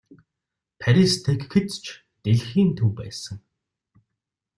Парис тэгэхэд ч дэлхийн төв байсан.